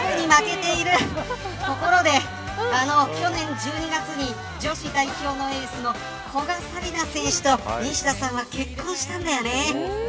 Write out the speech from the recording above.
ところで去年１２月に女子代表のエースの古賀紗理那選手と西田さんは結婚したんだよね。